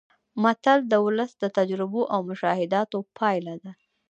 متل د ولس د تجربو او مشاهداتو پایله ده